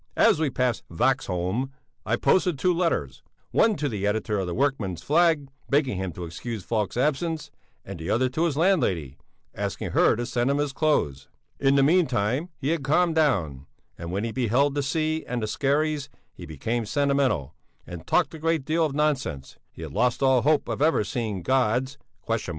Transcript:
As we passed Vaxholm, I posted two letters; one to the editor of the Workman's Flag, begging him to excuse Falk's absence, and the other to his landlady, asking her to send him his clothes. In the meantime he had calmed down, and when he beheld the sea and the skerries, he became sentimental and talked a great deal of nonsense: he had lost all hope of ever seeing God's